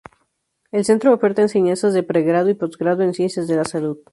El centro oferta enseñanzas de pregrado y posgrado en ciencias de la salud.